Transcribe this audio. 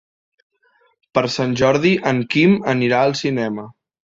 Per Sant Jordi en Quim anirà al cinema.